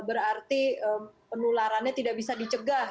berarti penularannya tidak bisa dicegah